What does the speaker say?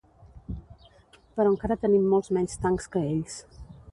Però encara tenim molts menys tancs que ells.